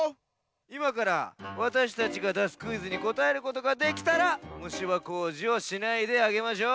いまからわたしたちがだすクイズにこたえることができたらむしば工事をしないであげましょう。